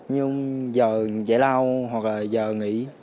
nhưng giờ dễ lao hoặc là giờ nghỉ